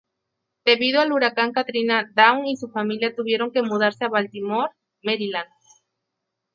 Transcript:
Debido al Huracán Katrina, Dawn y su familia tuvieron que mudarse a Baltimore, Maryland.